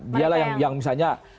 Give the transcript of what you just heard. dia lah yang misalnya